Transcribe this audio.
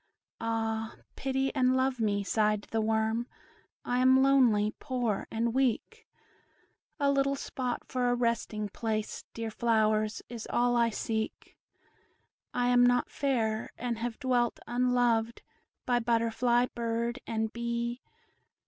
"Ah! pity and love me," sighed the worm, "I am lonely, poor, and weak; A little spot for a resting place, Dear flowers, is all I seek. I am not fair, and have dwelt unloved By butterfly, bird, and bee.